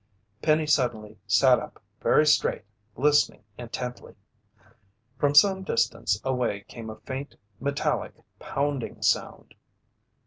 Penny suddenly sat up very straight, listening intently. From some distance away came a faint, metallic pounding sound.